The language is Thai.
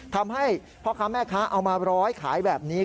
ทำให้พ่อค้าแม่ค้าเอามาร้อยขายแบบนี้